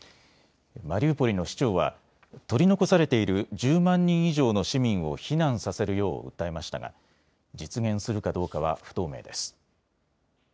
マリウポリの市長は取り残されている１０万人以上の市民を避難させるよう訴えましたが実現するかどうかは不透明です。